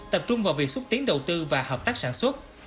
tập trung vào việc xúc tiến đầu tư và hợp tác sản xuất